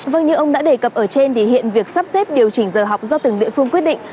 vâng như ông đã đề cập ở trên thì hiện việc sắp xếp điều chỉnh giờ học do từng địa phương quyết định